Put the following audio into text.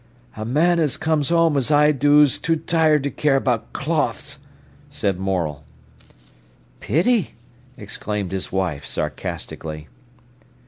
"A man as comes home as I do 's too tired to care about cloths," said Morel. "Pity!" exclaimed his wife, sarcastically.